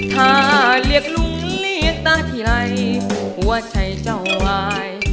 ถ้าเรียกลุงเรียกตาทีไรหัวใจเจ้าวาย